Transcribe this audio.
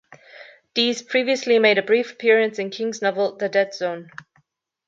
Dees previously made a brief appearance in King's novel "The Dead Zone".